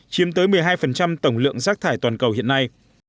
chiếm tới một mươi hai tổng lượng rác thải toàn cầu hiện nay